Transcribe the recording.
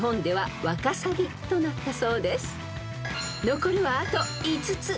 ［残るはあと５つ］